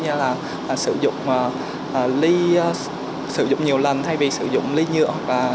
như sử dụng ly nhiều lần thay vì sử dụng ly nhựa